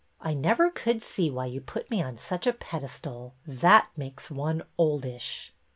'' I never could see why you put me on such a pedestal. That makes one oldish."